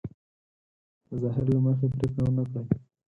د ظاهر له مخې پرېکړه ونه کړي.